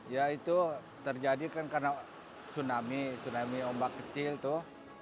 ya itu terjadi kan karena tsunami tsunami ombak kecil tuh